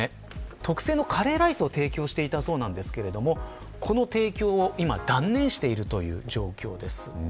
特製のカレーライスを提供していたようですがその提供を断念している状況です。